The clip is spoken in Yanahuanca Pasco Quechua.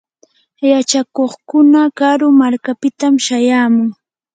yachakuqkuna karu markapitam shayamun.